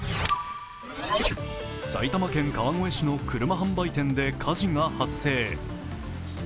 埼玉県川越市の車販売店で火事が発生。